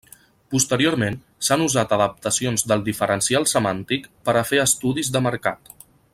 Posteriorment, s'han usat adaptacions del diferencial semàntic per a fer estudis de mercat.